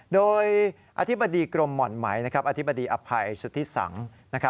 โดยอธิบดีกรมหม่อนไหมอธิบดีอภัยสุทธิสัง